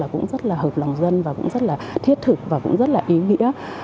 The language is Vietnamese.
cũng rất là hợp lòng dân và cũng rất là thiết thực và cũng rất là ý nghĩa